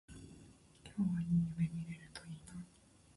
今日はいい夢見れるといいな